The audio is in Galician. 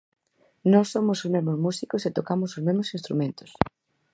Nós somos os mesmos músicos e tocamos os mesmos instrumentos.